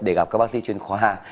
để gặp các bác sĩ chuyên khoa